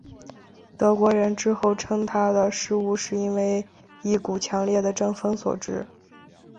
德国人之后称他的失误是因为一股强烈的阵风所致。